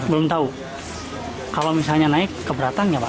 belum tahu kalau misalnya naik ke beratang ya pak